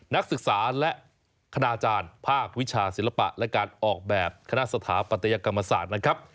นักศึกษาและคณาจารย์ภาควิชาศิลปะและการออกแบบคณะสถาปัตยกรรมศาสตร์นะครับ